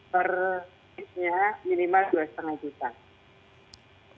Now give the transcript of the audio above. per rekeningnya minimal rp dua lima juta